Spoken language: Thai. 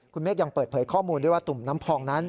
คุณเมฆยังเปิดเผยข้อมูลด้วยว่าตุ่มน้ำพองนั้น